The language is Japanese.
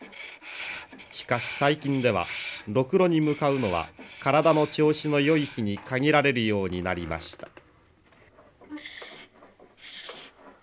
しかし最近ではろくろに向かうのは体の調子のよい日に限られるようになりました。